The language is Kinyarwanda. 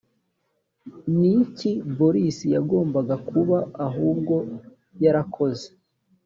ni iki boris yagombaga kuba ahubwo yarakoze?